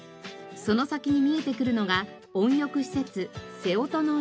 その先に見えてくるのが温浴施設瀬音の湯。